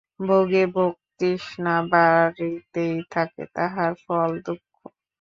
ভোগে ভোগতৃষ্ণা বাড়িতেই থাকে, তাহার ফল দুঃখ।